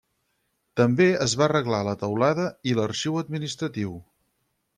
També es va arreglar la teulada i l'arxiu administratiu.